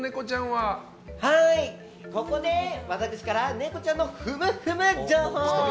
ここで私からネコちゃんのふむふむ情報。